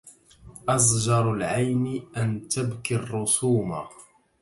أزجر العين أن تبكي الرسوما